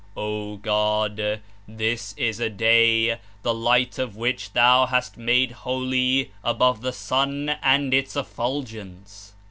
"O God! This is a day, the Light of which Thou hast made holy above the sun and its effulgence.